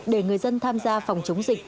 để người dân tham gia phòng chống dịch